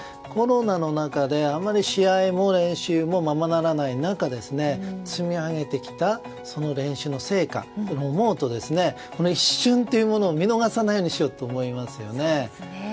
コロナの中であまり試合も練習もままならない中積み上げてきた練習の成果を思うと一瞬というものを見逃さないようにしようと思いますよね。